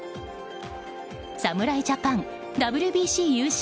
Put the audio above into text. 侍ジャパンＷＢＣ優勝！